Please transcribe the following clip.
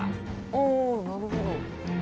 ああなるほど。